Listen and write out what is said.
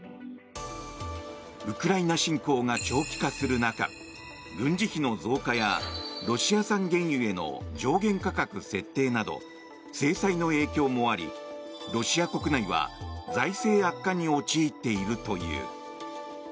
ウクライナ侵攻が長期化する中軍事費の増加やロシア産原油への上限価格設定など制裁の影響もありロシア国内は財政悪化に陥っているという。